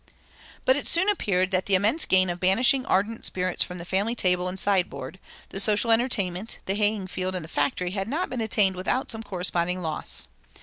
But it soon appeared that the immense gain of banishing ardent spirits from the family table and sideboard, the social entertainment, the haying field, and the factory had not been attained without some corresponding loss.